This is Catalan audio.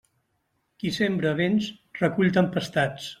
Qui sembra vents, recull tempestats.